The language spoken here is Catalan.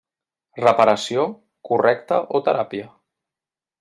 Reparació, correcta o teràpia.